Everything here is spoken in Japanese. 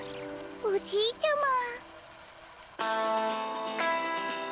おじいちゃま。